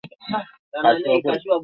gine ni agwe awori wa eneo mbunge la